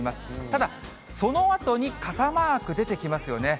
ただ、そのあとに傘マーク出てきますよね。